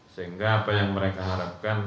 sehingga apa yang mereka harapkan